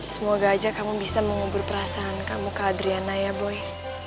semoga aja kamu bisa mengubur perasaan kamu ke adriana ya boy